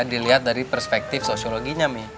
dilihat dari perspektif sosiologinya nih